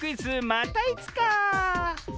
またいつか！